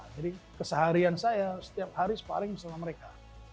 jadi keseharian saya setiap hari sparing bersama mereka